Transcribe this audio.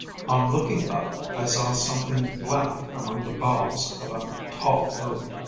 "On looking up, I saw something black among the boughs of a tall oak.